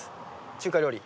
中華料理。